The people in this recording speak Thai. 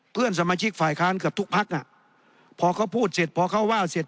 เพื่อนสมาชิกฝ่ายค้านเกือบทุกพักอ่ะพอเขาพูดเสร็จพอเขาว่าเสร็จ